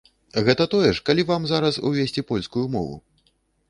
Гэта тое ж, калі вам зараз увесці польскую мову.